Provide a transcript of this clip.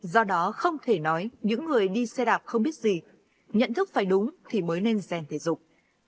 do đó không thể nói những người đi xe đạp không biết gì nhận thức phải đúng thì mới nên ghen thể dục